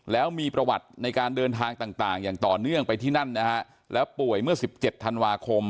แล้วมีประวัติในการเดินทางต่างอย่างต่อเนื่องไปที่นั่นนะฮะแล้วป่วยเมื่อ๑๗ธันวาคม